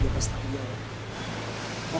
dia pasti tak jawab